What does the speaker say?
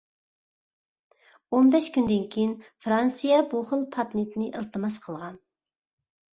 ئون بەش كۈندىن كېيىن فىرانسىيە بۇ خىل پاتېنتنى ئىلتىماس قىلغان.